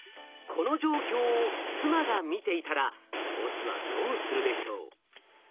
この状況を妻が見ていたらオスはどうするでしょう？